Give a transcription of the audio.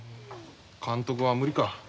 監督は無理か。